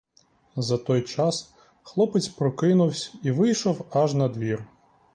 За той час хлопець прокинувсь і вийшов аж на двір.